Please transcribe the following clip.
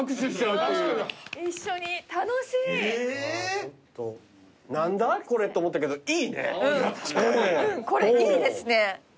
うんこれいいですね。